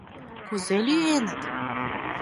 — Кузе лӱеныт?!